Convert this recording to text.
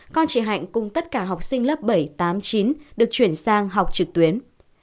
con chị hạnh cùng tất cả học sinh lớp bảy tám mươi chín được chuyển sang học trực tuyến